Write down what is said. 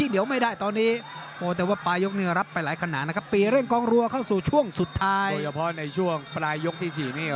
โดยเฉพาะในช่วงปลายยกที่สี่นี้